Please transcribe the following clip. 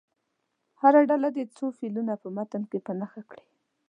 هره ډله دې څو فعلونه په متن کې په نښه کړي.